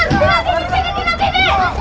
tidak tidak tidak